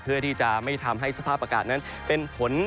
เพื่อที่จะไม่ทำให้สภาพอากาศนั้นเป็นผล